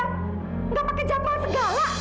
nggak pakai jadwal segala